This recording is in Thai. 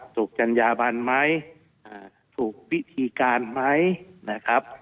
จัญญาบันไหมถูกวิธีการไหมนะครับ